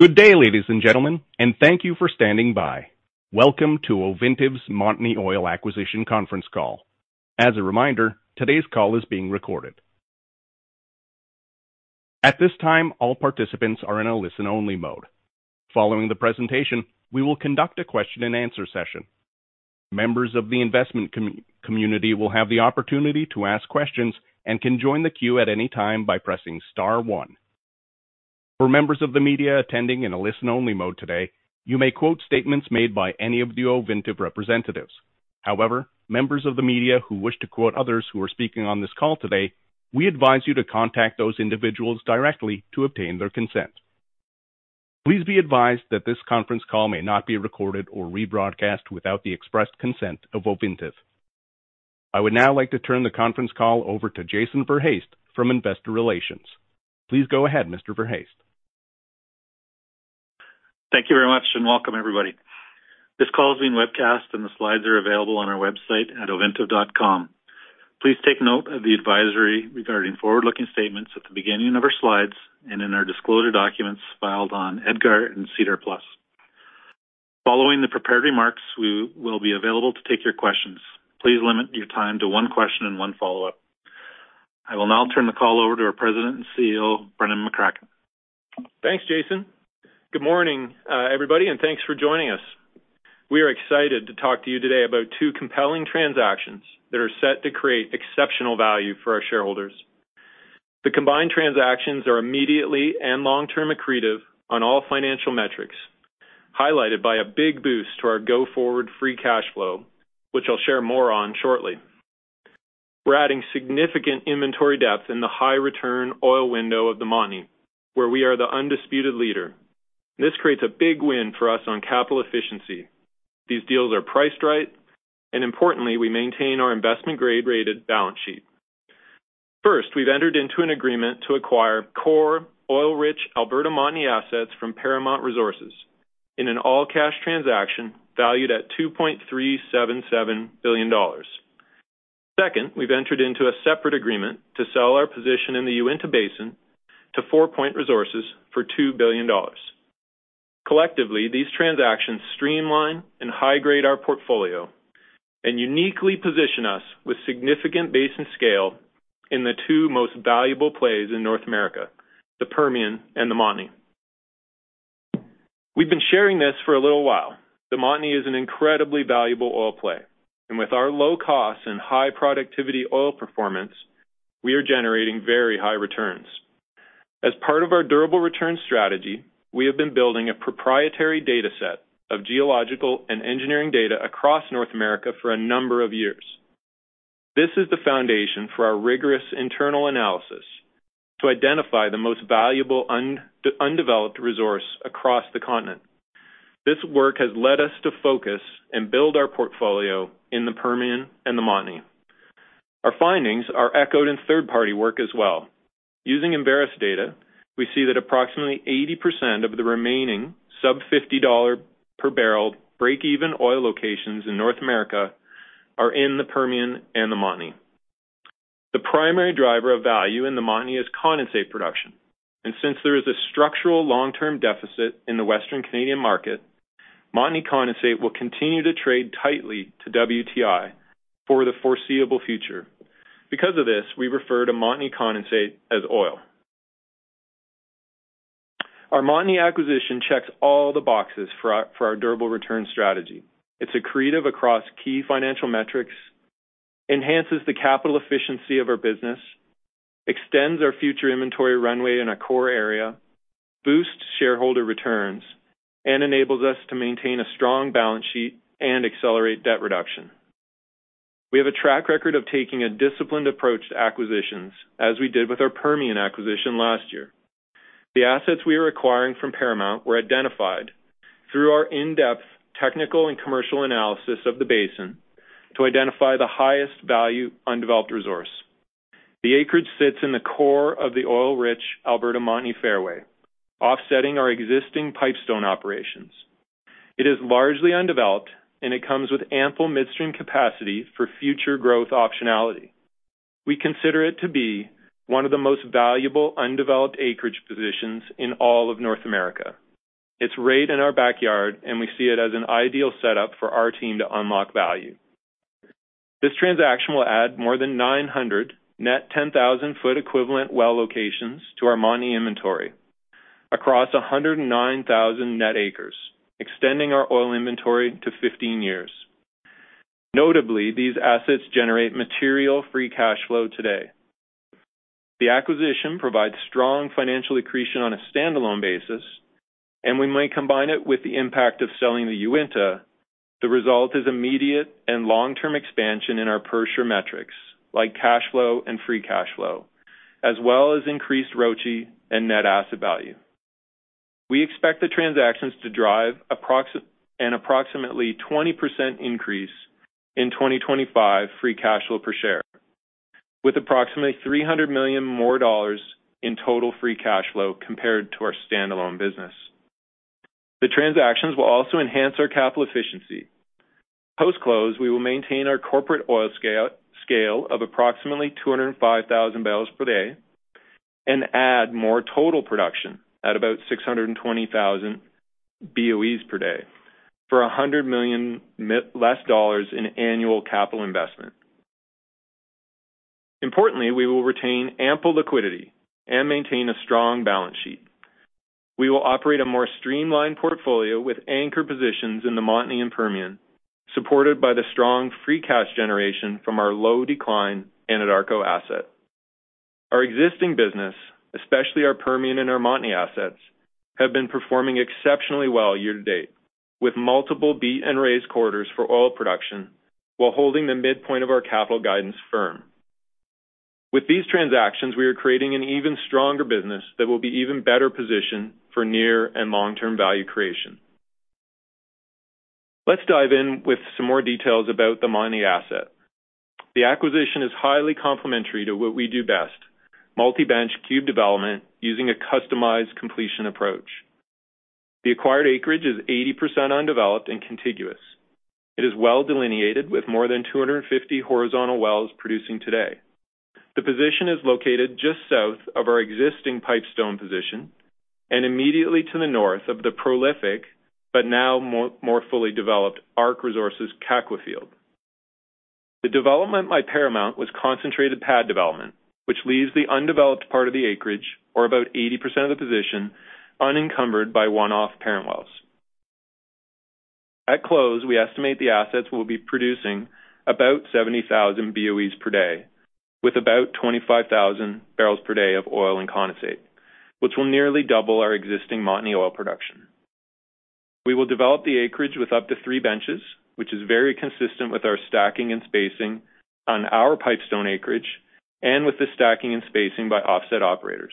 Good day, ladies and gentlemen, and thank you for standing by. Welcome to Ovintiv's Montney Oil Acquisition Conference Call. As a reminder, today's call is being recorded. At this time, all participants are in a listen-only mode. Following the presentation, we will conduct a question-and-answer session. Members of the investment community will have the opportunity to ask questions and can join the queue at any time by pressing Star 1. For members of the media attending in a listen-only mode today, you may quote statements made by any of the Ovintiv representatives. However, members of the media who wish to quote others who are speaking on this call today, we advise you to contact those individuals directly to obtain their consent. Please be advised that this conference call may not be recorded or rebroadcast without the express consent of Ovintiv. I would now like to turn the conference call over to Jason Verhaest from Investor Relations. Please go ahead, Mr. Verhaest. Thank you very much and welcome, everybody. This call is being webcast, and the slides are available on our website at ovintiv.com. Please take note of the advisory regarding forward-looking statements at the beginning of our slides and in our disclosure documents filed on EDGAR and SEDAR+. Following the prepared remarks, we will be available to take your questions. Please limit your time to one question and one follow-up. I will now turn the call over to our President and CEO, Brendan McCracken. Thanks, Jason. Good morning, everybody, and thanks for joining us. We are excited to talk to you today about two compelling transactions that are set to create exceptional value for our shareholders. The combined transactions are immediately and long-term accretive on all financial metrics, highlighted by a big boost to our go-forward free cash flow, which I'll share more on shortly. We're adding significant inventory depth in the high-return oil window of the Montney, where we are the undisputed leader. This creates a big win for us on capital efficiency. These deals are priced right, and importantly, we maintain our investment-grade rated balance sheet. First, we've entered into an agreement to acquire core oil-rich Alberta Montney assets from Paramount Resources in an all-cash transaction valued at $2.377 billion. Second, we've entered into a separate agreement to sell our position in the Uinta Basin to Four Point Resources for $2 billion. Collectively, these transactions streamline and high-grade our portfolio and uniquely position us with significant basin scale in the two most valuable plays in North America, the Permian and the Montney. We've been sharing this for a little while. The Montney is an incredibly valuable oil play, and with our low costs and high productivity oil performance, we are generating very high returns. As part of our durable return strategy, we have been building a proprietary data set of geological and engineering data across North America for a number of years. This is the foundation for our rigorous internal analysis to identify the most valuable undeveloped resource across the continent. This work has led us to focus and build our portfolio in the Permian and the Montney. Our findings are echoed in third-party work as well. Using Enverus Data, we see that approximately 80% of the remaining sub-$50 per barrel break-even oil locations in North America are in the Permian and the Montney. The primary driver of value in the Montney is condensate production, and since there is a structural long-term deficit in the Western Canadian market, Montney condensate will continue to trade tightly to WTI for the foreseeable future. Because of this, we refer to Montney condensate as oil. Our Montney acquisition checks all the boxes for our durable return strategy. It's accretive across key financial metrics, enhances the capital efficiency of our business, extends our future inventory runway in a core area, boosts shareholder returns, and enables us to maintain a strong balance sheet and accelerate debt reduction. We have a track record of taking a disciplined approach to acquisitions as we did with our Permian acquisition last year. The assets we are acquiring from Paramount were identified through our in-depth technical and commercial analysis of the basin to identify the highest value undeveloped resource. The acreage sits in the core of the oil-rich Alberta Montney Fairway, offsetting our existing Pipestone operations. It is largely undeveloped, and it comes with ample midstream capacity for future growth optionality. We consider it to be one of the most valuable undeveloped acreage positions in all of North America. It's right in our backyard, and we see it as an ideal setup for our team to unlock value. This transaction will add more than 900 net 10,000-foot equivalent well locations to our Montney inventory across 109,000 net acres, extending our oil inventory to 15 years. Notably, these assets generate material free cash flow today. The acquisition provides strong financial accretion on a standalone basis, and we may combine it with the impact of selling the Uinta. The result is immediate and long-term expansion in our per-share metrics like cash flow and free cash flow, as well as increased ROCE and net asset value. We expect the transactions to drive an approximately 20% increase in 2025 free cash flow per share, with approximately $300 million more dollars in total free cash flow compared to our standalone business. The transactions will also enhance our capital efficiency. Post-close, we will maintain our corporate oil scale of approximately 205,000 barrels per day and add more total production at about 620,000 BOEs per day for $100 million less dollars in annual capital investment. Importantly, we will retain ample liquidity and maintain a strong balance sheet. We will operate a more streamlined portfolio with anchor positions in the Montney and Permian, supported by the strong free cash generation from our low-decline Anadarko asset. Our existing business, especially our Permian and our Montney assets, have been performing exceptionally well year to date, with multiple beat-and-raise quarters for oil production while holding the midpoint of our capital guidance firm. With these transactions, we are creating an even stronger business that will be even better positioned for near and long-term value creation. Let's dive in with some more details about the Montney asset. The acquisition is highly complementary to what we do best: multi-batch cube development using a customized completion approach. The acquired acreage is 80% undeveloped and contiguous. It is well delineated with more than 250 horizontal wells producing today. The position is located just south of our existing Pipestone position and immediately to the north of the prolific but now more fully developed ARC Resources Kakwa field. The development by Paramount was concentrated pad development, which leaves the undeveloped part of the acreage, or about 80% of the position, unencumbered by one-off parent wells. At close, we estimate the assets will be producing about 70,000 BOEs per day with about 25,000 barrels per day of oil and condensate, which will nearly double our existing Montney oil production. We will develop the acreage with up to three benches, which is very consistent with our stacking and spacing on our Pipestone acreage and with the stacking and spacing by offset operators.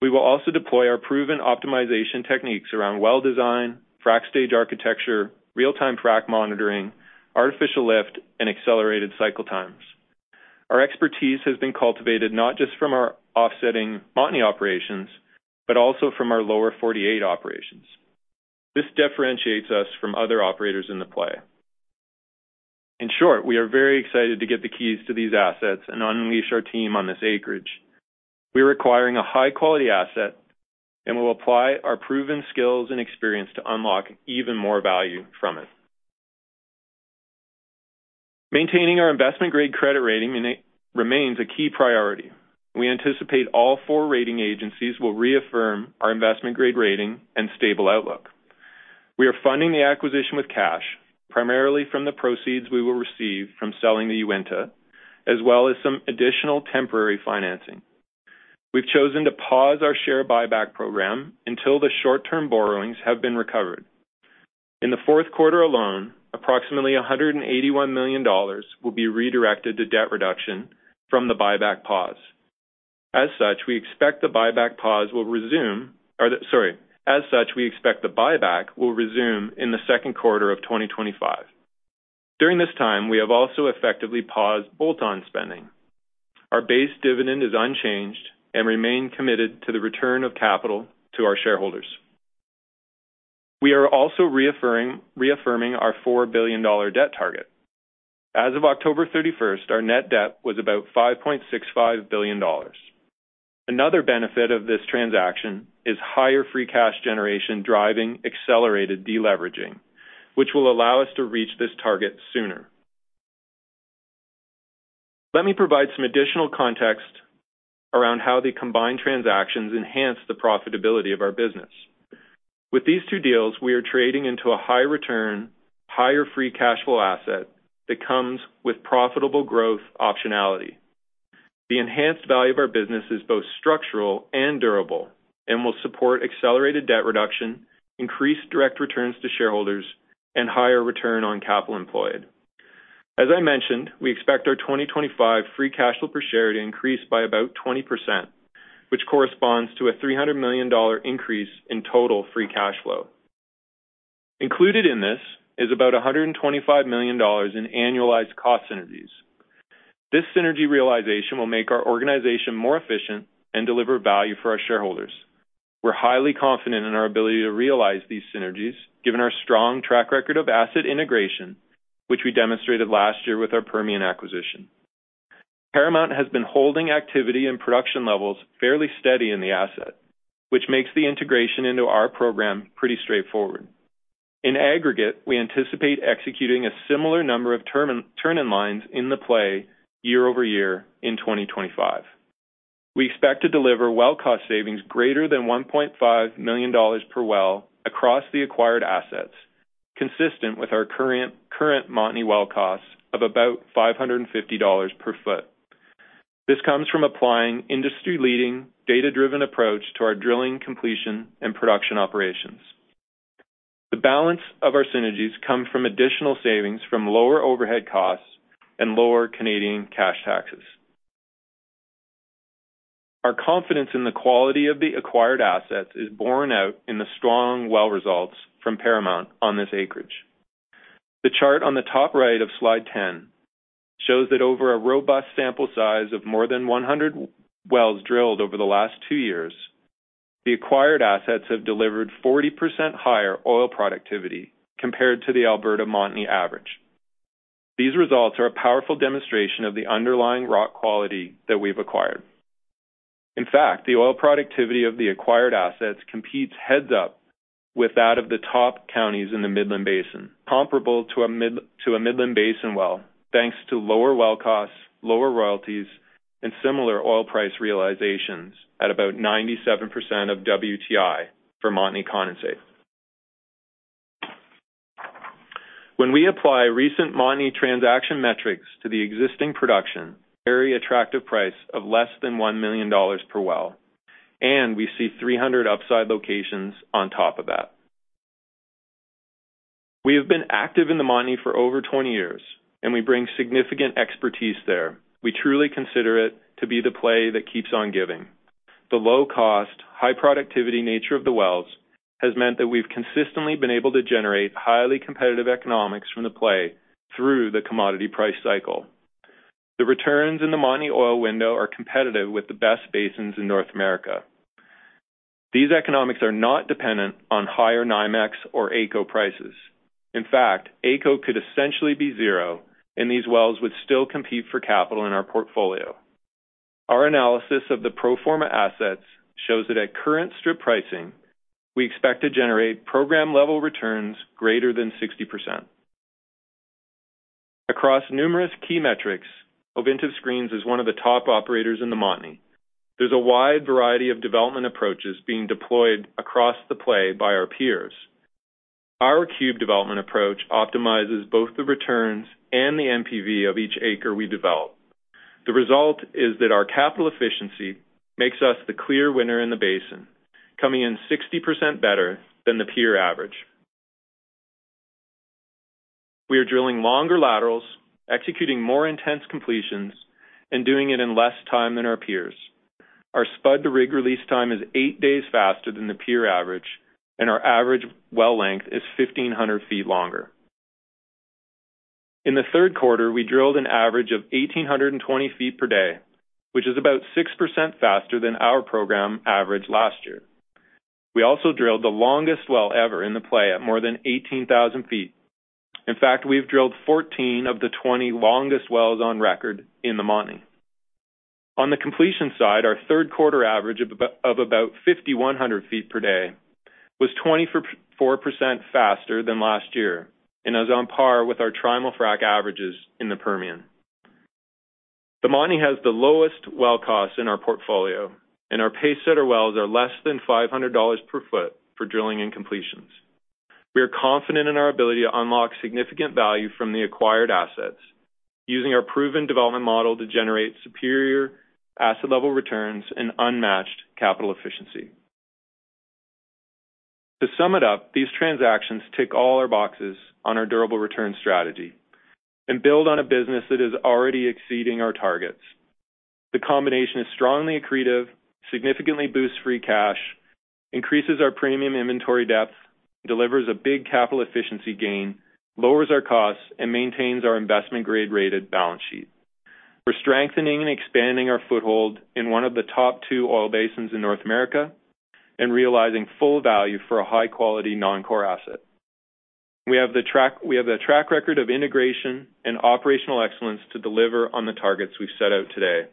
We will also deploy our proven optimization techniques around well design, frac stage architecture, real-time frac monitoring, artificial lift, and accelerated cycle times. Our expertise has been cultivated not just from our offsetting Montney operations, but also from our lower 48 operations. This differentiates us from other operators in the play. In short, we are very excited to get the keys to these assets and unleash our team on this acreage. We are acquiring a high-quality asset, and we will apply our proven skills and experience to unlock even more value from it. Maintaining our investment-grade credit rating remains a key priority. We anticipate all four rating agencies will reaffirm our investment-grade rating and stable outlook. We are funding the acquisition with cash, primarily from the proceeds we will receive from selling the Uinta, as well as some additional temporary financing. We've chosen to pause our share buyback program until the short-term borrowings have been recovered. In the fourth quarter alone, approximately $181 million will be redirected to debt reduction from the buyback pause. As such, we expect the buyback will resume in the second quarter of 2025. During this time, we have also effectively paused bolt-on spending. Our base dividend is unchanged and remains committed to the return of capital to our shareholders. We are also reaffirming our $4 billion debt target. As of October 31st, our net debt was about $5.65 billion. Another benefit of this transaction is higher free cash generation driving accelerated deleveraging, which will allow us to reach this target sooner. Let me provide some additional context around how the combined transactions enhance the profitability of our business. With these two deals, we are trading into a high-return, higher free cash flow asset that comes with profitable growth optionality. The enhanced value of our business is both structural and durable and will support accelerated debt reduction, increased direct returns to shareholders, and higher return on capital employed. As I mentioned, we expect our 2025 free cash flow per share to increase by about 20%, which corresponds to a $300 million increase in total free cash flow. Included in this is about $125 million in annualized cost synergies. This synergy realization will make our organization more efficient and deliver value for our shareholders. We're highly confident in our ability to realize these synergies, given our strong track record of asset integration, which we demonstrated last year with our Permian acquisition. Paramount has been holding activity and production levels fairly steady in the asset, which makes the integration into our program pretty straightforward. In aggregate, we anticipate executing a similar number of turn-in lines in the play year over year in 2025. We expect to deliver well cost savings greater than $1.5 million per well across the acquired assets, consistent with our current Montney well costs of about $550 per foot. This comes from applying industry-leading data-driven approach to our drilling, completion, and production operations. The balance of our synergies comes from additional savings from lower overhead costs and lower Canadian cash taxes. Our confidence in the quality of the acquired assets is borne out in the strong well results from Paramount on this acreage. The chart on the top right of slide 10 shows that over a robust sample size of more than 100 wells drilled over the last two years, the acquired assets have delivered 40% higher oil productivity compared to the Alberta Montney average. These results are a powerful demonstration of the underlying rock quality that we've acquired. In fact, the oil productivity of the acquired assets competes heads-up with that of the top counties in the Midland Basin, comparable to a Midland Basin well thanks to lower well costs, lower royalties, and similar oil price realizations at about 97% of WTI for Montney condensate. When we apply recent Montney transaction metrics to the existing production, very attractive price of less than $1 million per well, and we see 300 upside locations on top of that. We have been active in the Montney for over 20 years, and we bring significant expertise there. We truly consider it to be the play that keeps on giving. The low-cost, high-productivity nature of the wells has meant that we've consistently been able to generate highly competitive economics from the play through the commodity price cycle. The returns in the Montney oil window are competitive with the best basins in North America. These economics are not dependent on higher NYMEX or AECO prices. In fact, AECO could essentially be zero, and these wells would still compete for capital in our portfolio. Our analysis of the pro forma assets shows that at current strip pricing, we expect to generate program-level returns greater than 60%. Across numerous key metrics, Ovintiv screens is one of the top operators in the Montney. There's a wide variety of development approaches being deployed across the play by our peers. Our cube development approach optimizes both the returns and the NPV of each acre we develop. The result is that our capital efficiency makes us the clear winner in the basin, coming in 60% better than the peer average. We are drilling longer laterals, executing more intense completions, and doing it in less time than our peers. Our spud-to-rig release time is eight days faster than the peer average, and our average well length is 1,500 feet longer. In the third quarter, we drilled an average of 1,820 feet per day, which is about 6% faster than our program average last year. We also drilled the longest well ever in the play at more than 18,000 feet. In fact, we've drilled 14 of the 20 longest wells on record in the Montney. On the completion side, our third quarter average of about 5,100 feet per day was 24% faster than last year and is on par with our Trimul-Frac averages in the Permian. The Montney has the lowest well costs in our portfolio, and our pay center wells are less than $500 per foot for drilling and completions. We are confident in our ability to unlock significant value from the acquired assets, using our proven development model to generate superior asset-level returns and unmatched capital efficiency. To sum it up, these transactions tick all our boxes on our durable return strategy and build on a business that is already exceeding our targets. The combination is strongly accretive, significantly boosts free cash, increases our premium inventory depth, delivers a big capital efficiency gain, lowers our costs, and maintains our investment-grade rated balance sheet. We're strengthening and expanding our foothold in one of the top two oil basins in North America and realizing full value for a high-quality non-core asset. We have the track record of integration and operational excellence to deliver on the targets we've set out today.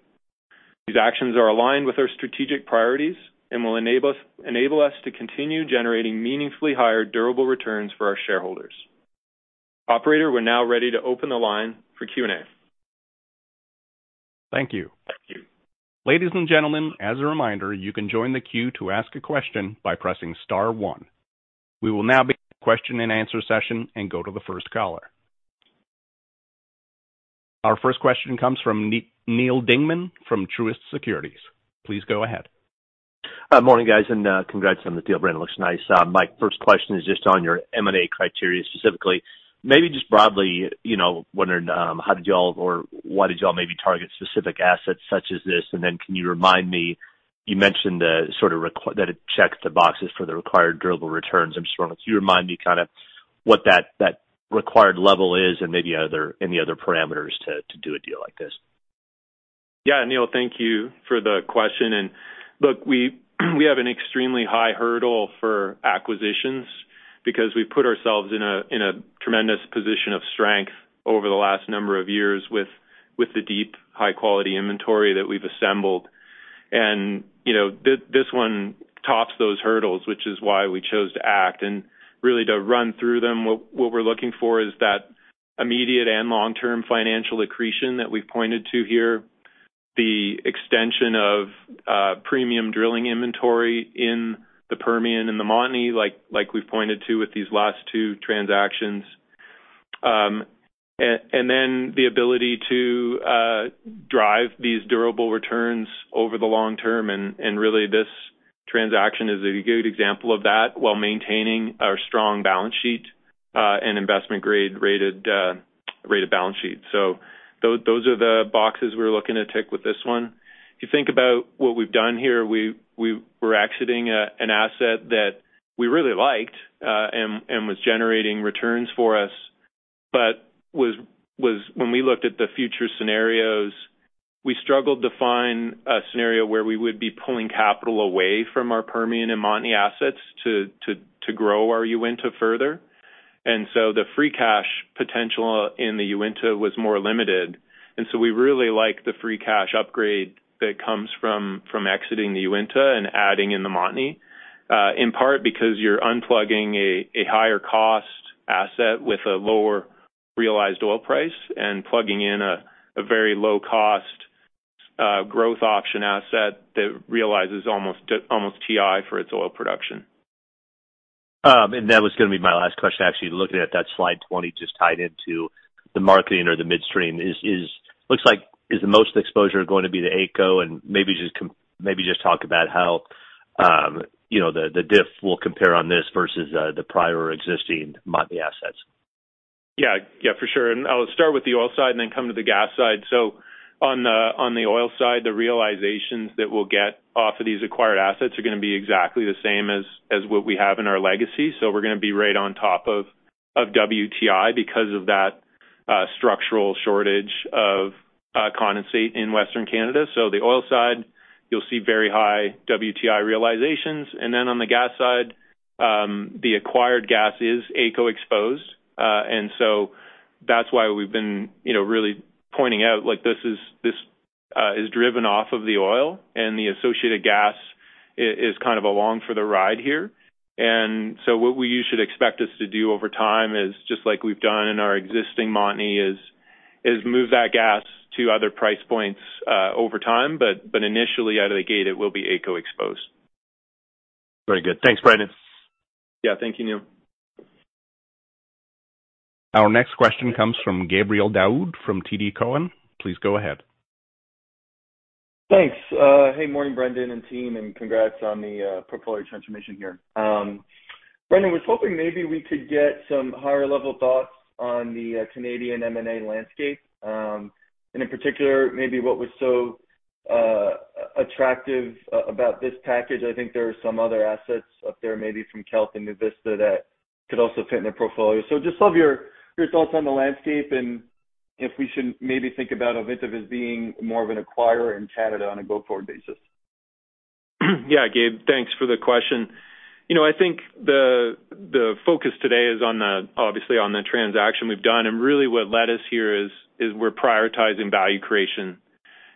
These actions are aligned with our strategic priorities and will enable us to continue generating meaningfully higher durable returns for our shareholders. Operator, we're now ready to open the line for Q&A. Thank you. Thank you. Ladies and gentlemen, as a reminder, you can join the queue to ask a question by pressing star one. We will now begin the question and answer session and go to the first caller. Our first question comes from Neal Dingmann from Truist Securities. Please go ahead. Morning, guys, and congrats on the deal. Brendan looks nice. My first question is just on your M&A criteria specifically. Maybe just broadly, wondering, how did y'all or why did y'all maybe target specific assets such as this? And then can you remind me? You mentioned that it checks the boxes for the required durable returns. I'm just wondering, could you remind me kind of what that required level is and maybe any other parameters to do a deal like this? Yeah, Neal, thank you for the question. And look, we have an extremely high hurdle for acquisitions because we've put ourselves in a tremendous position of strength over the last number of years with the deep, high-quality inventory that we've assembled. And this one tops those hurdles, which is why we chose to act. And really, to run through them, what we're looking for is that immediate and long-term financial accretion that we've pointed to here, the extension of premium drilling inventory in the Permian and the Montney, like we've pointed to with these last two transactions. And then the ability to drive these durable returns over the long term. And really, this transaction is a good example of that while maintaining our strong balance sheet and investment-grade rated balance sheet. So those are the boxes we're looking to tick with this one. If you think about what we've done here, we were exiting an asset that we really liked and was generating returns for us, but when we looked at the future scenarios, we struggled to find a scenario where we would be pulling capital away from our Permian and Montney assets to grow our Uinta further. And so the free cash potential in the Uinta was more limited. And so we really like the free cash upgrade that comes from exiting the Uinta and adding in the Montney, in part because you're unplugging a higher-cost asset with a lower realized oil price and plugging in a very low-cost growth option asset that realizes almost WTI for its oil production. That was going to be my last question, actually, looking at that slide 20 just tied into the marketing or the midstream. Looks like is the most exposure going to be the AECO, and maybe just talk about how the diff will compare on this versus the prior existing Montney assets. Yeah, yeah, for sure. And I'll start with the oil side and then come to the gas side. So on the oil side, the realizations that we'll get off of these acquired assets are going to be exactly the same as what we have in our legacy. So we're going to be right on top of WTI because of that structural shortage of condensate in Western Canada. So the oil side, you'll see very high WTI realizations. And then on the gas side, the acquired gas is AECO exposed. And so that's why we've been really pointing out this is driven off of the oil, and the associated gas is kind of along for the ride here. And so what we should expect us to do over time is, just like we've done in our existing Montney, is move that gas to other price points over time, but initially, out of the gate, it will be AECO exposed. Very good. Thanks, Brendan. Yeah, thank you, Neal. Our next question comes from Gabriel Daoud from TD Cowen. Please go ahead. Thanks. Hey, morning, Brendan and team, and congrats on the portfolio transformation here. Brendan, I was hoping maybe we could get some higher-level thoughts on the Canadian M&A landscape, and in particular, maybe what was so attractive about this package. I think there are some other assets up there, maybe from Kelt and NuVista, that could also fit in the portfolio. So just love your thoughts on the landscape and if we should maybe think about Ovintiv as being more of an acquirer in Canada on a go-forward basis. Yeah, Gabe, thanks for the question. I think the focus today is obviously on the transaction we've done. And really, what led us here is we're prioritizing value creation.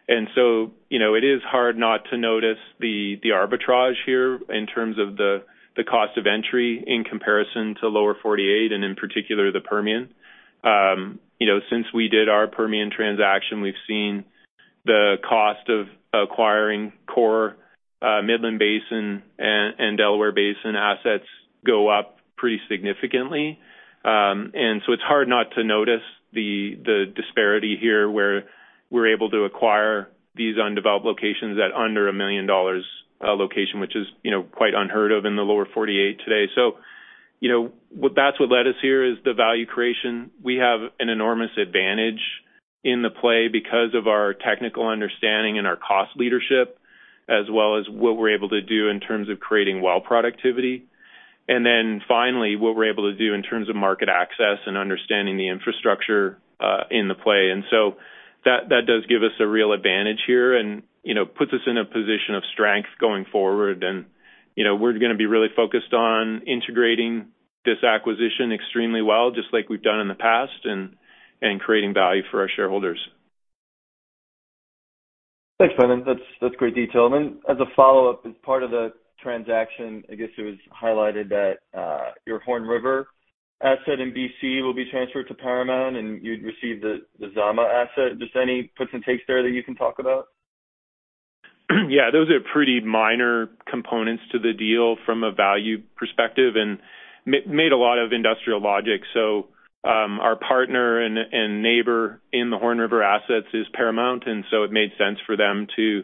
And so it is hard not to notice the arbitrage here in terms of the cost of entry in comparison to lower 48 and, in particular, the Permian. Since we did our Permian transaction, we've seen the cost of acquiring core Midland Basin and Delaware Basin assets go up pretty significantly. And so it's hard not to notice the disparity here where we're able to acquire these undeveloped locations at under $1 million per location, which is quite unheard of in the lower 48 today. So that's what led us here is the value creation. We have an enormous advantage in the play because of our technical understanding and our cost leadership, as well as what we're able to do in terms of creating well productivity. And then finally, what we're able to do in terms of market access and understanding the infrastructure in the play. And so that does give us a real advantage here and puts us in a position of strength going forward. And we're going to be really focused on integrating this acquisition extremely well, just like we've done in the past, and creating value for our shareholders. Thanks, Brendan. That's great detail. And then as a follow-up, as part of the transaction, I guess it was highlighted that your Horn River asset in BC will be transferred to Paramount, and you'd receive the Zama asset. Just any puts and takes there that you can talk about? Yeah, those are pretty minor components to the deal from a value perspective and made a lot of industrial logic. Our partner and neighbor in the Horn River assets is Paramount, and so it made sense for them to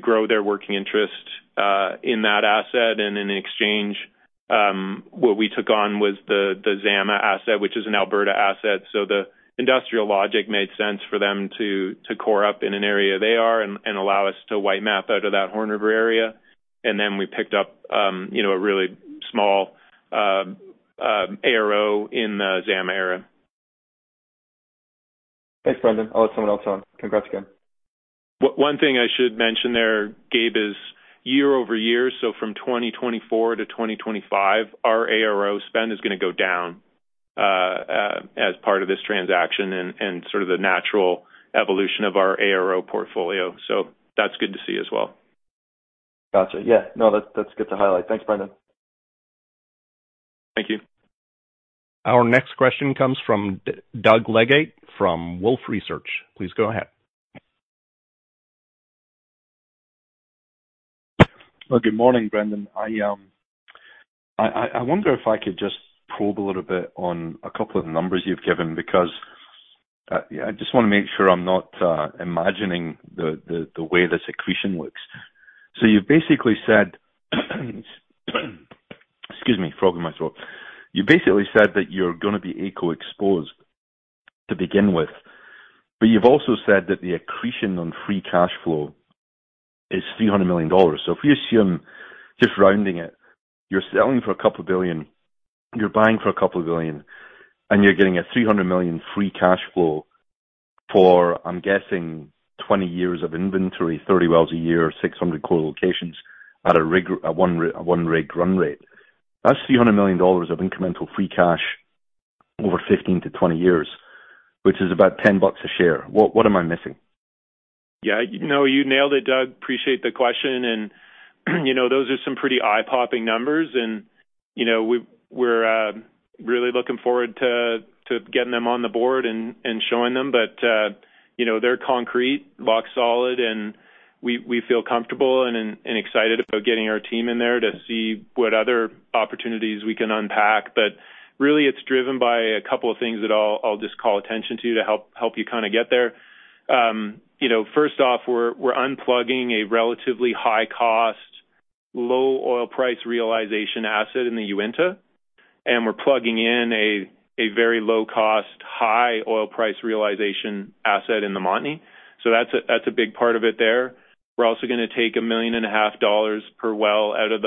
grow their working interest in that asset. In exchange, what we took on was the Zama asset, which is an Alberta asset. The industrial logic made sense for them to core up in an area they are and allow us to white map out of that Horn River area. Then we picked up a really small ARO in the Zama area. Thanks, Brendan. I'll let someone else on. Congrats again. One thing I should mention there, Gabe, is year over year, so from 2024 to 2025, our ARO spend is going to go down as part of this transaction and sort of the natural evolution of our ARO portfolio. So that's good to see as well. Gotcha. Yeah. No, that's good to highlight. Thanks, Brendan. Thank you. Our next question comes from Doug Leggate from Wolfe Research. Please go ahead. Good morning, Brendan. I wonder if I could just probe a little bit on a couple of the numbers you've given because I just want to make sure I'm not imagining the way this accretion works. You've basically said, excuse me, frog in my throat, you basically said that you're going to be AECO exposed to begin with, but you've also said that the accretion on free cash flow is $300 million. If we assume, just rounding it, you're selling for a couple of billion, you're buying for a couple of billion, and you're getting a 300 million free cash flow for, I'm guessing, 20 years of inventory, 30 wells a year, 600 core locations at a one-rig run rate. That's $300 million of incremental free cash over 15-20 years, which is about 10 bucks a share. What am I missing? Yeah, you nailed it, Doug. Appreciate the question. And those are some pretty eye-popping numbers. And we're really looking forward to getting them on the board and showing them. But they're concrete, rock solid, and we feel comfortable and excited about getting our team in there to see what other opportunities we can unpack. But really, it's driven by a couple of things that I'll just call attention to you to help you kind of get there. First off, we're unplugging a relatively high-cost, low oil price realization asset in the Uinta, and we're plugging in a very low-cost, high oil price realization asset in the Montney. So that's a big part of it there. We're also going to take $1.5 million per well out of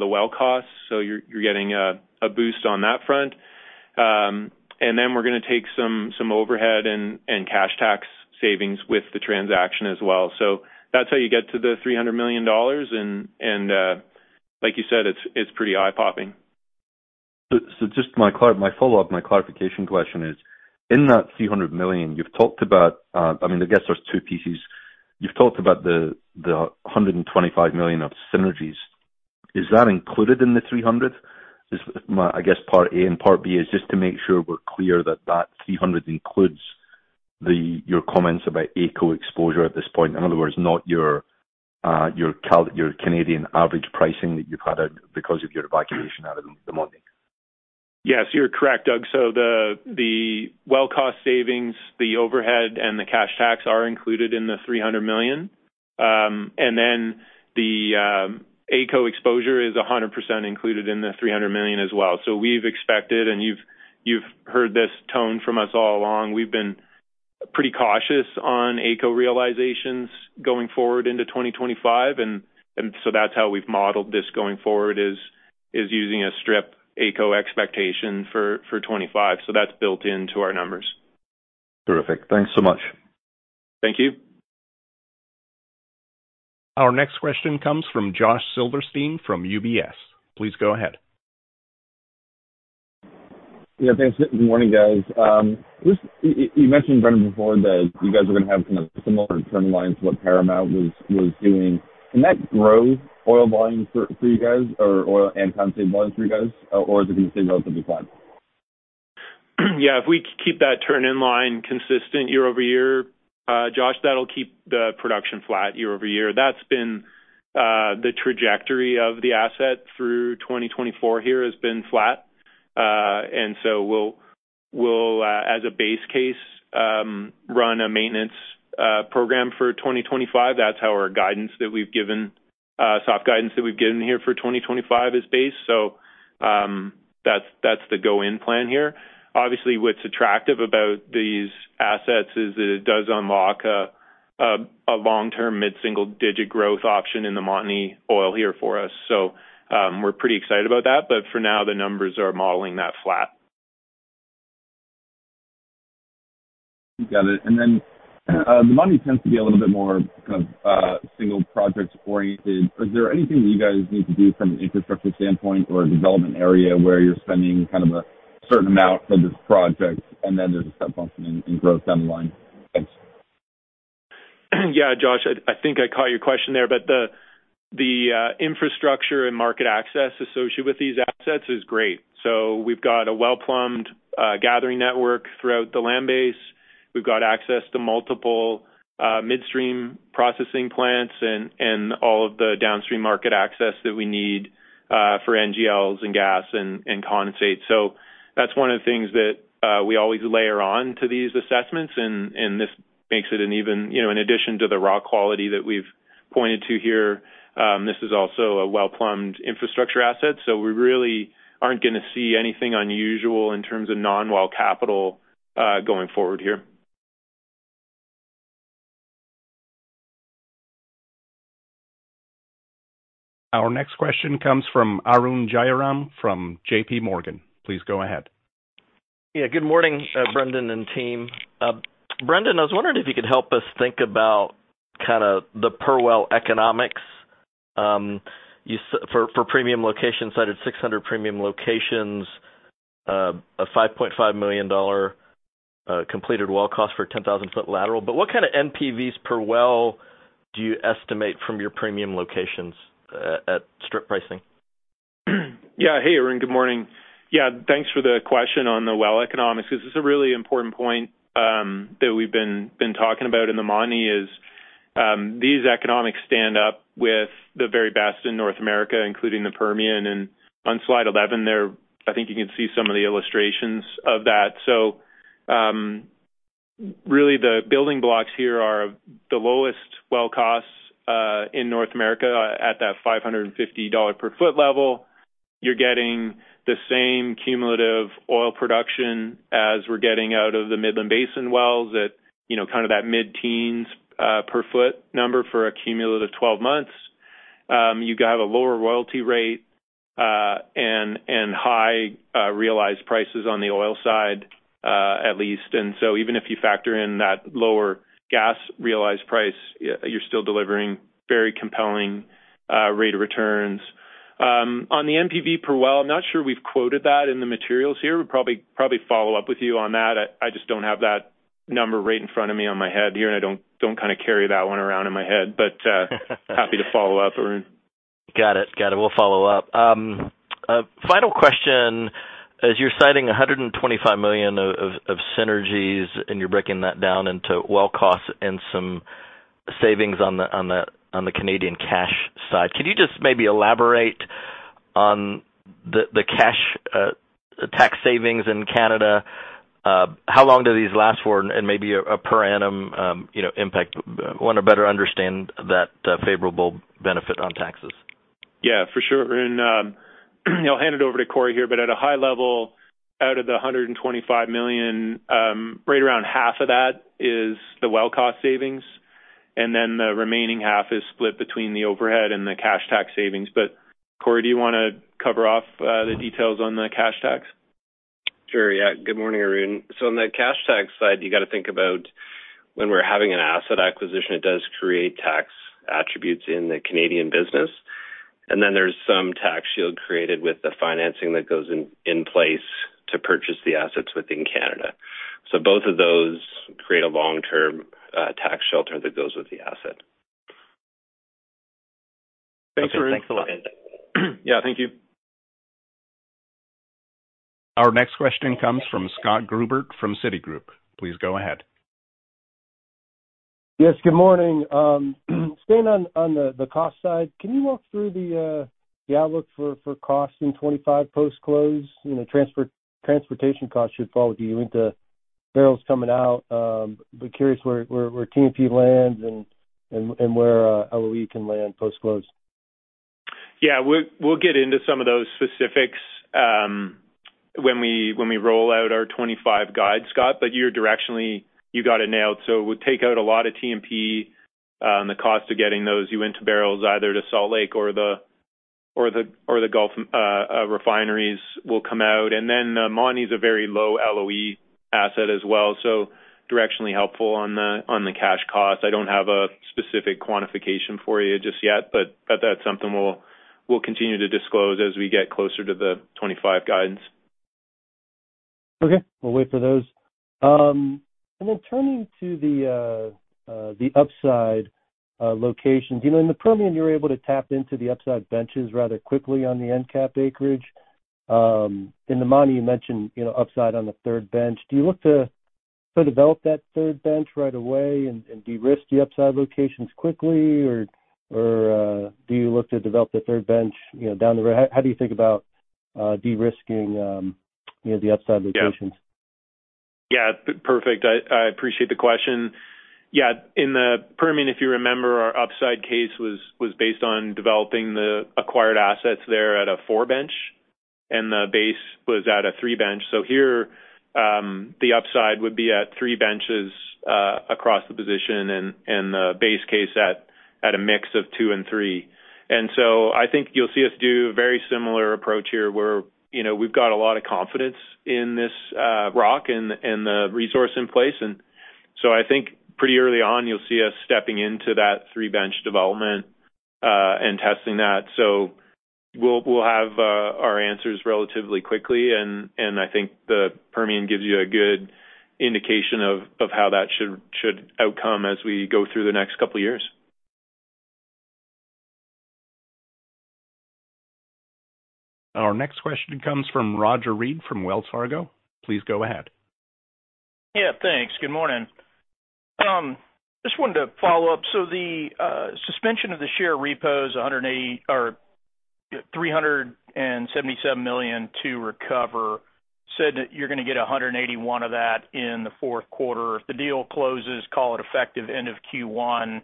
the well cost. So you're getting a boost on that front. And then we're going to take some overhead and cash tax savings with the transaction as well. So that's how you get to the $300 million. And like you said, it's pretty eye-popping. Just my follow-up, my clarification question is, in that $300 million, you've talked about—I mean, I guess there's two pieces. You've talked about the $125 million of synergies. Is that included in the $300 million? I guess part A and part B is just to make sure we're clear that that $300 million includes your comments about AECO exposure at this point. In other words, not your Canadian average pricing that you've had because of your allocation out of the Montney. Yes, you're correct, Doug. So the well cost savings, the overhead, and the cash tax are included in the $300 million. And then the AECO exposure is 100% included in the $300 million as well. So we've expected, and you've heard this tone from us all along, we've been pretty cautious on AECO realizations going forward into 2025. And so that's how we've modeled this going forward is using a strip AECO expectation for 2025. So that's built into our numbers. Terrific. Thanks so much. Thank you. Our next question comes from Josh Silverstein from UBS. Please go ahead. Yeah, thanks. Good morning, guys. You mentioned, Brendan, before that you guys are going to have kind of similar turnarounds to what Paramount was doing. Can that grow oil volume for you guys or oil and condensate volume for you guys? Or is it going to stay relatively flat? Yeah, if we keep that turn-in-line consistent year over year, Josh, that'll keep the production flat year over year. That's been the trajectory of the asset through 2024 here has been flat, and so we'll, as a base case, run a maintenance program for 2025. That's how our guidance that we've given, soft guidance that we've given here for 2025 is based, so that's the go-in plan here. Obviously, what's attractive about these assets is that it does unlock a long-term mid-single-digit growth option in the Montney oil here for us, so we're pretty excited about that, but for now, the numbers are modeling that flat. Got it. And then the Montney tends to be a little bit more kind of single project oriented. Is there anything that you guys need to do from an infrastructure standpoint or a development area where you're spending kind of a certain amount for this project and then there's subsequent growth down the line? Yeah, Josh, I think I caught your question there, but the infrastructure and market access associated with these assets is great, so we've got a well-plumbed gathering network throughout the land base. We've got access to multiple midstream processing plants and all of the downstream market access that we need for NGLs and gas and condensate, so that's one of the things that we always layer on to these assessments, and this makes it an even, in addition to the raw quality that we've pointed to here, this is also a well-plumbed infrastructure asset, so we really aren't going to see anything unusual in terms of non-well capital going forward here. Our next question comes from Arun Jayaram from JPMorgan. Please go ahead. Yeah, good morning, Brendan and team. Brendan, I was wondering if you could help us think about kind of the per well economics for premium locations, 600 premium locations, a $5.5 million completed well cost for 10,000-foot lateral. But what kind of NPVs per well do you estimate from your premium locations at strip pricing? Yeah. Hey, Arun, good morning. Yeah, thanks for the question on the well economics because it's a really important point that we've been talking about in the Montney. These economics stand up with the very best in North America, including the Permian. And on slide 11, I think you can see some of the illustrations of that. So really, the building blocks here are the lowest well costs in North America at that $550 per foot level. You're getting the same cumulative oil production as we're getting out of the Midland Basin wells at kind of that mid-teens per foot number for a cumulative 12 months. You have a lower royalty rate and high realized prices on the oil side, at least. And so even if you factor in that lower gas realized price, you're still delivering very compelling rate of returns. On the NPV per well, I'm not sure we've quoted that in the materials here. We'll probably follow up with you on that. I just don't have that number right in front of me on my head here, and I don't kind of carry that one around in my head. But happy to follow up, Arun. Got it. Got it. We'll follow up. Final question. As you're citing $125 million of synergies and you're breaking that down into well costs and some savings on the Canadian cash side, can you just maybe elaborate on the cash tax savings in Canada? How long do these last for? And maybe a per annum impact, want to better understand that favorable benefit on taxes? Yeah, for sure. And I'll hand it over to Corey here. But at a high level, out of the $125 million, right around $62.5 million of that is the well cost savings. And then the remaining $62.5 million is split between the overhead and the cash tax savings. But Corey, do you want to cover off the details on the cash tax? Sure. Yeah. Good morning, Arun. So on the cash tax side, you got to think about when we're having an asset acquisition, it does create tax attributes in the Canadian business. And then there's some tax shield created with the financing that goes in place to purchase the assets within Canada. So both of those create a long-term tax shelter that goes with the asset. Thanks, Arun. Thanks a lot. Yeah, thank you. Our next question comes from Scott Gruber from Citigroup. Please go ahead. Yes, good morning. Staying on the cost side, can you walk through the outlook for costs in 2025 post-close? Transportation costs should fall with the Uinta barrels coming out. But curious where TNP lands and where LOE can land post-close. Yeah, we'll get into some of those specifics when we roll out our '25 guide, Scott. But you're directionally, you got it nailed. So we'll take out a lot of TNP. The cost of getting those Uinta barrels either to Salt Lake or the Gulf refineries will come out. And then Montney is a very low LOE asset as well. So directionally helpful on the cash cost. I don't have a specific quantification for you just yet, but that's something we'll continue to disclose as we get closer to the '25 guidance. Okay. We'll wait for those. And then turning to the upside locations, in the Permian, you're able to tap into the upside benches rather quickly on the EnCap acreage. In the Montney, you mentioned upside on the third bench. Do you look to develop that third bench right away and de-risk the upside locations quickly, or do you look to develop the third bench down the road? How do you think about de-risking the upside locations? Yeah. Yeah. Perfect. I appreciate the question. Yeah. In the Permian, if you remember, our upside case was based on developing the acquired assets there at a four bench, and the base was at a three bench, so here the upside would be at three benches across the position and the base case at a mix of two and three. And so I think you'll see us do a very similar approach here where we've got a lot of confidence in this rock and the resource in place, and so I think pretty early on you'll see us stepping into that three-bench development and testing that, so we'll have our answers relatively quickly. And I think the Permian gives you a good indication of how that should outcome as we go through the next couple of years. Our next question comes from Roger Read from Wells Fargo. Please go ahead. Yeah, thanks. Good morning. Just wanted to follow up. So the suspension of the share repos of $377 million to recover said that you're going to get $181 million of that in the fourth quarter. If the deal closes, call it effective end of Q1.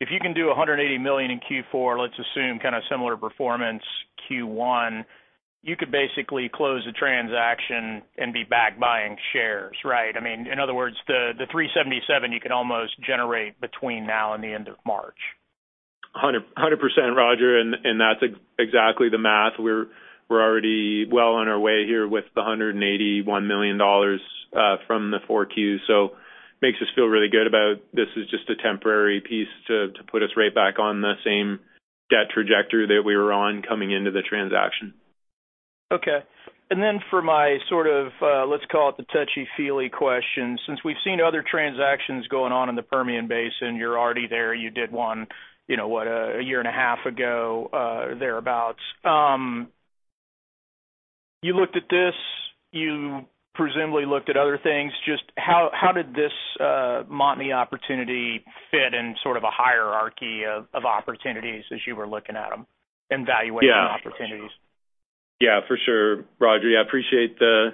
If you can do $180 million in Q4, let's assume kind of similar performance Q1, you could basically close the transaction and be back buying shares, right? I mean, in other words, the $377 million you could almost generate between now and the end of March. 100%, Roger. And that's exactly the math. We're already well on our way here with the $181 million from the Q4. So makes us feel really good about this is just a temporary piece to put us right back on the same debt trajectory that we were on coming into the transaction. Okay. And then for my sort of, let's call it the touchy-feely question, since we've seen other transactions going on in the Permian Basin, you're already there. You did one, what, a year and a half ago thereabouts. You looked at this. You presumably looked at other things. Just how did this Montney opportunity fit in sort of a hierarchy of opportunities as you were looking at them and valuation opportunities? Yeah. Yeah, for sure, Roger. Yeah, I appreciate the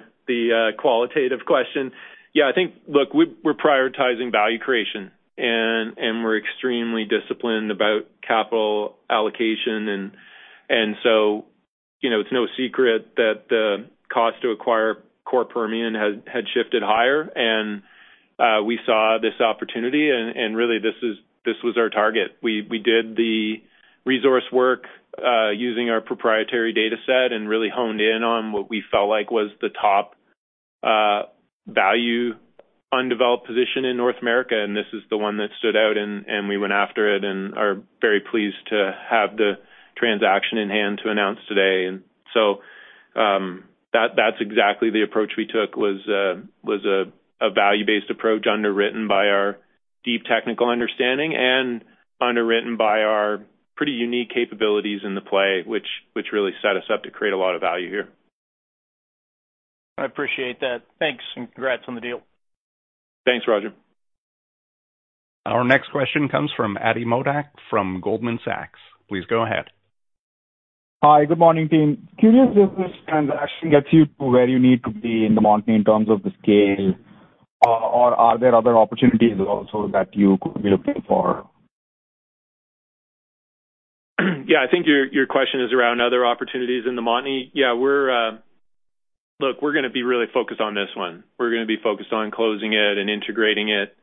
qualitative question. Yeah, I think, look, we're prioritizing value creation, and we're extremely disciplined about capital allocation. And so it's no secret that the cost to acquire core Permian had shifted higher. And we saw this opportunity. And really, this was our target. We did the resource work using our proprietary dataset and really honed in on what we felt like was the top value undeveloped position in North America. And this is the one that stood out, and we went after it and are very pleased to have the transaction in hand to announce today. And so that's exactly the approach we took was a value-based approach underwritten by our deep technical understanding and underwritten by our pretty unique capabilities in the play, which really set us up to create a lot of value here. I appreciate that. Thanks. And congrats on the deal. Thanks, Roger. Our next question comes from Ati Modak from Goldman Sachs. Please go ahead. Hi, good morning, team. Curious if this transaction gets you to where you need to be in the Montney in terms of the scale, or are there other opportunities also that you could be looking for? Yeah, I think your question is around other opportunities in the Montney. Yeah, look, we're going to be really focused on this one. We're going to be focused on closing it and integrating it.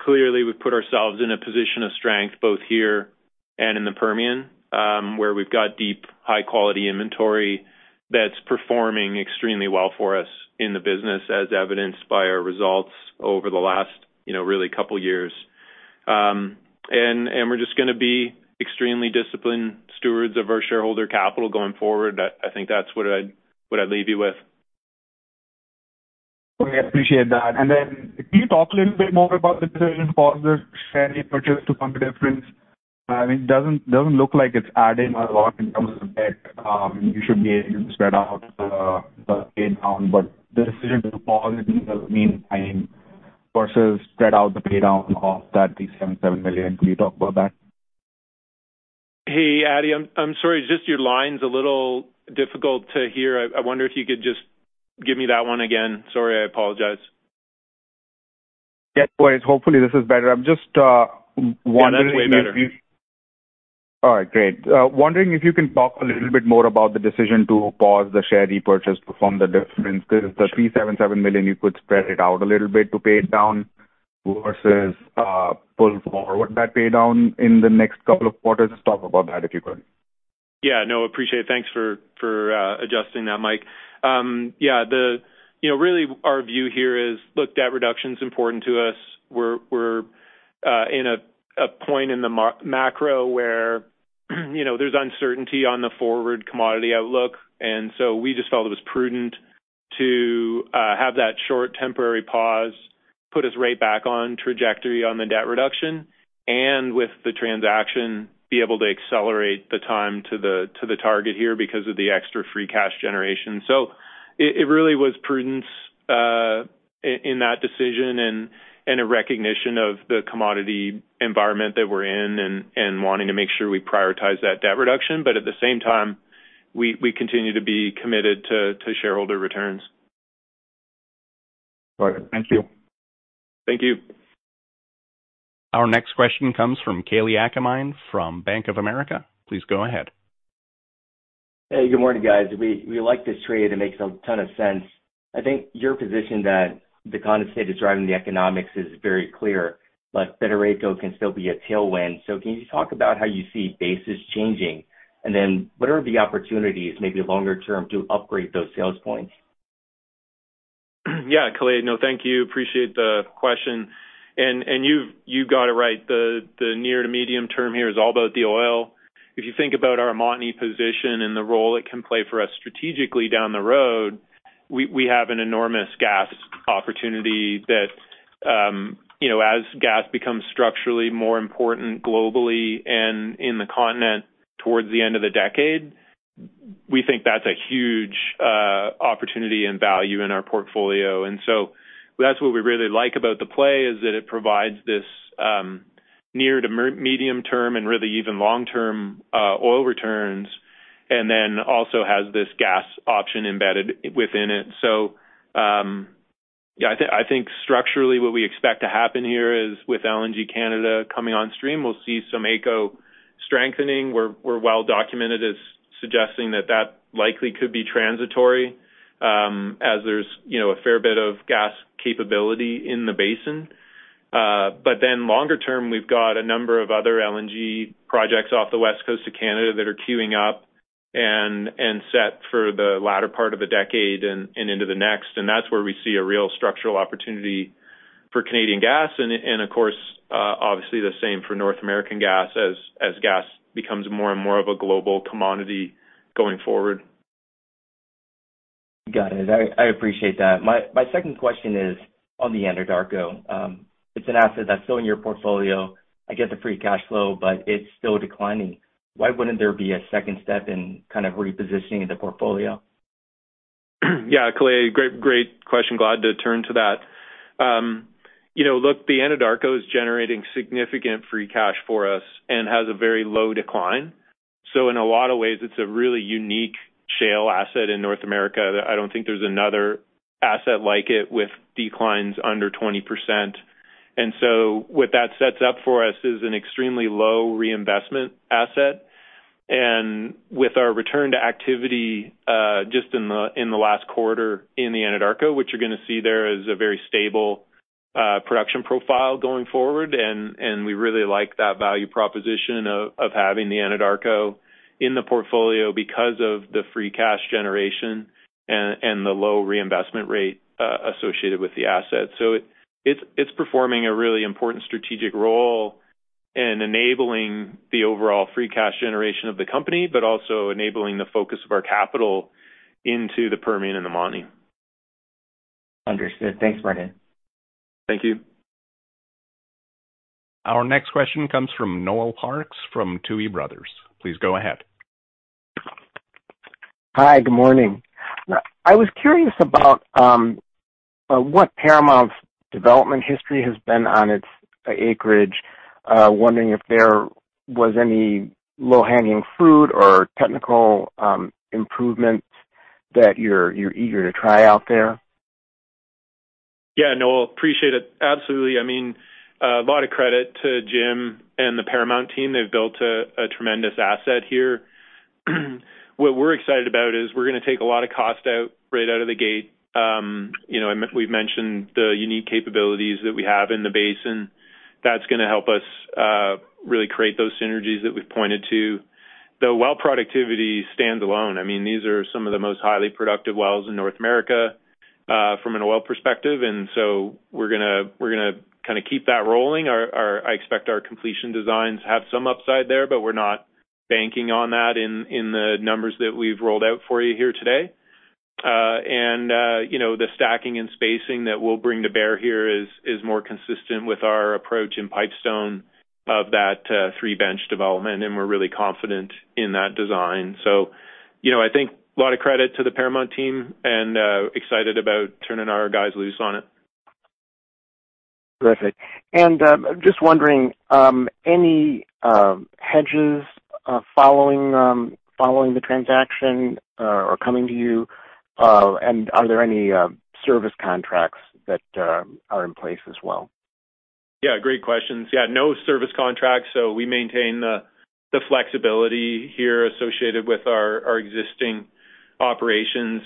Clearly, we've put ourselves in a position of strength both here and in the Permian where we've got deep, high-quality inventory that's performing extremely well for us in the business as evidenced by our results over the last really couple of years, and we're just going to be extremely disciplined stewards of our shareholder capital going forward. I think that's what I'd leave you with. I appreciate that. And then can you talk a little bit more about the decision to pause the share repurchase to fund the difference? I mean, it doesn't look like it's adding a lot in terms of debt. You should be able to spread out the paydown. But the decision to pause it means timing versus spread out the paydown of that $377 million. Can you talk about that? Hey, Ati, I'm sorry. Just your line's a little difficult to hear. I wonder if you could just give me that one again. Sorry, I apologize. Yeah, no worries. Hopefully, this is better. Wondering if you can talk a little bit more about the decision to pause the share repurchase to fund the difference because the $377 million, you could spread it out a little bit to pay it down versus pull forward that paydown in the next couple of quarters. Just talk about that if you could. Yeah. No, appreciate it. Thanks for adjusting that, Mike. Yeah, really, our view here is look, debt reduction is important to us. We're in a point in the macro where there's uncertainty on the forward commodity outlook. And so we just felt it was prudent to have that short temporary pause, put us right back on trajectory on the debt reduction, and with the transaction, be able to accelerate the time to the target here because of the extra free cash generation. So it really was prudence in that decision and a recognition of the commodity environment that we're in and wanting to make sure we prioritize that debt reduction. But at the same time, we continue to be committed to shareholder returns. All right. Thank you. Thank you. Our next question comes from Kalei Akamine from Bank of America. Please go ahead. Hey, good morning, guys. We like this trade and it makes a ton of sense. I think your position that the condensate is driving the economics is very clear, but Federico can still be a tailwind so can you talk about how you see basis changing? and then what are the opportunities, maybe longer term, to upgrade those sales points? Yeah, Kalei, no, thank you. Appreciate the question. And you've got it right. The near to medium term here is all about the oil. If you think about our Montney position and the role it can play for us strategically down the road, we have an enormous gas opportunity that as gas becomes structurally more important globally and in the continent towards the end of the decade, we think that's a huge opportunity and value in our portfolio. And so that's what we really like about the play is that it provides this near to medium term and really even long-term oil returns and then also has this gas option embedded within it. So yeah, I think structurally what we expect to happen here is with LNG Canada coming on stream, we'll see some AECO strengthening. We're well documented as suggesting that that likely could be transitory as there's a fair bit of gas capability in the basin. But then longer term, we've got a number of other LNG projects off the West Coast of Canada that are queuing up and set for the latter part of the decade and into the next. And that's where we see a real structural opportunity for Canadian gas. And of course, obviously the same for North American gas as gas becomes more and more of a global commodity going forward. Got it. I appreciate that. My second question is on the Anadarko. It's an asset that's still in your portfolio. I get the free cash flow, but it's still declining. Why wouldn't there be a second step in kind of repositioning the portfolio? Yeah, Kalei, great question. Glad to turn to that. Look, the Anadarko is generating significant free cash for us and has a very low decline. So in a lot of ways, it's a really unique shale asset in North America. I don't think there's another asset like it with declines under 20%. And so what that sets up for us is an extremely low reinvestment asset, and with our return to activity just in the last quarter in the Anadarko, which you're going to see there as a very stable production profile going forward, and we really like that value proposition of having the Anadarko in the portfolio because of the free cash generation and the low reinvestment rate associated with the asset. So it's performing a really important strategic role in enabling the overall free cash generation of the company, but also enabling the focus of our capital into the Permian and the Montney. Understood. Thanks, Brendan. Thank you. Our next question comes from Noel Parks from Tuohy Brothers. Please go ahead. Hi, good morning. I was curious about what Paramount's development history has been on its acreage, wondering if there was any low-hanging fruit or technical improvement that you're eager to try out there? Yeah, Noel, appreciate it. Absolutely. I mean, a lot of credit to Jim and the Paramount team. They've built a tremendous asset here. What we're excited about is we're going to take a lot of cost out right out of the gate. We've mentioned the unique capabilities that we have in the basin. That's going to help us really create those synergies that we've pointed to. The well productivity stands alone. I mean, these are some of the most highly productive wells in North America from an oil perspective. And so we're going to kind of keep that rolling. I expect our completion designs have some upside there, but we're not banking on that in the numbers that we've rolled out for you here today. And the stacking and spacing that we'll bring to bear here is more consistent with our approach and Pipestone of that three-bench development. And we're really confident in that design. So I think a lot of credit to the Paramount team and excited about turning our guys loose on it. Perfect. And just wondering, any hedges following the transaction or coming to you? And are there any service contracts that are in place as well? Yeah, great questions. Yeah, no service contracts. So we maintain the flexibility here associated with our existing operations.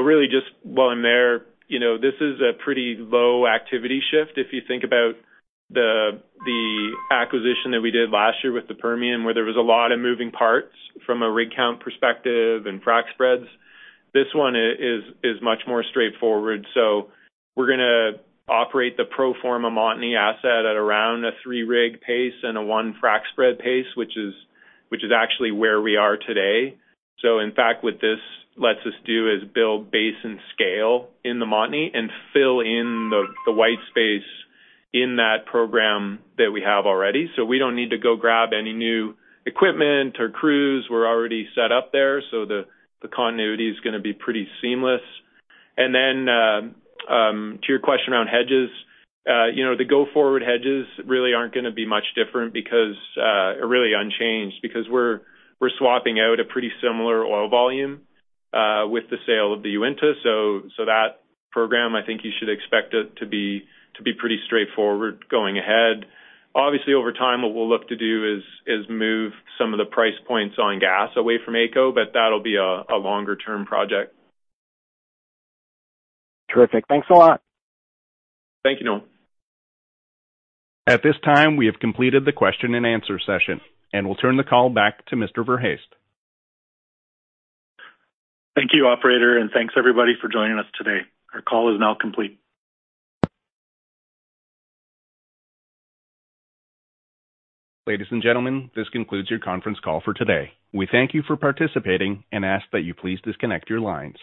Really just while I'm there, this is a pretty low activity shift. If you think about the acquisition that we did last year with the Permian, where there was a lot of moving parts from a rig count perspective and frac spreads, this one is much more straightforward. So we're going to operate the pro forma Montney asset at around a three-rig pace and a one frac spread pace, which is actually where we are today. So in fact, what this lets us do is build basin scale in the Montney and fill in the white space in that program that we have already. So we don't need to go grab any new equipment or crews. We're already set up there. So the continuity is going to be pretty seamless. And then, to your question around hedges, the go forward hedges really aren't going to be much different because really unchanged because we're swapping out a pretty similar oil volume with the sale of the Uinta. So that program, I think you should expect it to be pretty straightforward going ahead. Obviously, over time, what we'll look to do is move some of the price points on gas away from AECO, but that'll be a longer-term project. Terrific. Thanks a lot. Thank you, Noel. At this time, we have completed the question and answer session, and we'll turn the call back to Mr. Verhaest. Thank you, operator, and thanks everybody for joining us today. Our call is now complete. Ladies and gentlemen, this concludes your conference call for today. We thank you for participating and ask that you please disconnect your lines.